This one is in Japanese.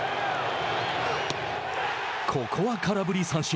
ここは空振り三振。